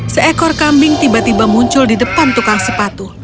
seekor kambing tiba tiba muncul di depan tukang sepatu